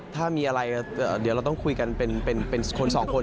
ถ้ามีอะไรเดี๋ยวเราต้องคุยกันเป็นคนสองคน